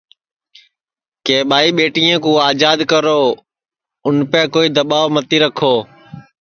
کہ ٻائی ٻیٹیں کُو آجاد کرو اُنپے کوئی دؔواب متی رکھو